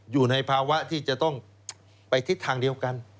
อยู่ในภาวะที่จะต้องไปทิศทางเดียวกัน